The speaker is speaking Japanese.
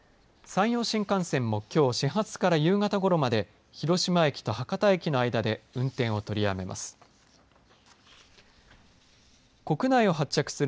山陽新幹線もきょう始発から夕方ごろまで広島駅と博多駅の間で運転を取りやめます。